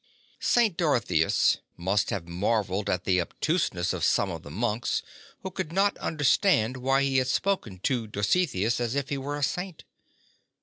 St. Dorotheus must have marvelled at the obtuseness of some of the monks who could not understand why he had spoken to Dositheus as if he were a saint.